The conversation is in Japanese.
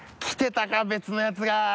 来てたか別のやつが。